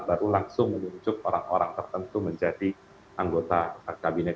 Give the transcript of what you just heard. baru langsung menunjuk orang orang tertentu menjadi anggota kabinet